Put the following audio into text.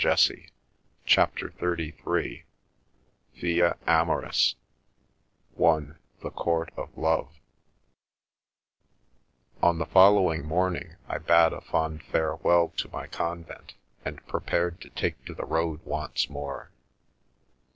*74 CHAPTER XXXIII VIA AMORIS (i) The Court of Love ON the following morning I bade a fond farewell to my convent, and prepared to take to the road once more.